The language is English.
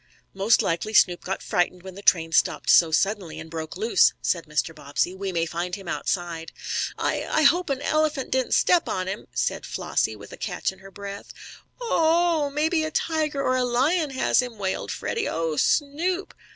"Most likely Snoop got frightened when the train stopped so suddenly, and broke loose," said Mr. Bobbsey. "We may find him outside." "I I hope an elephant didn't step on him," said Flossie, with a catch in her breath. "Ohooo! Maybe a tiger or a lion has him!" wailed Freddie. "Oh, Snoop!"